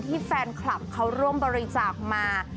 แฟนคลับเขาร่วมบริจาคมา